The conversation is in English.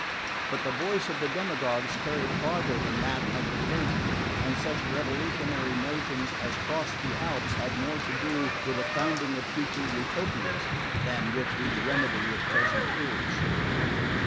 But the voice of the demagogues carried farther than that of the clergy; and such revolutionary notions as crossed the Alps had more to do with the founding of future Utopias than with the remedy of present evils.